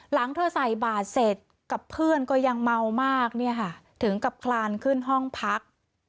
หลังเธอใส่บาทเสร็จกับเพื่อนก็ยังเมามากเนี่ยค่ะถึงกับคลานขึ้นห้องพัก